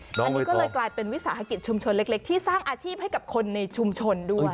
อันนี้ก็เลยกลายเป็นวิสาหกิจชุมชนเล็กที่สร้างอาชีพให้กับคนในชุมชนด้วย